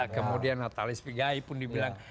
kemudian notalis pigai pun dibilang